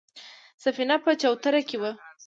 سفينه په چوتره کې وه.